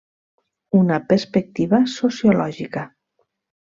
Una perspectiva sociològica.